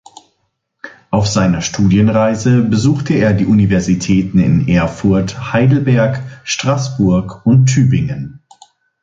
Auf seiner Studienreise besuchte er die Universitäten in Erfurt, Heidelberg, Straßburg und Tübingen.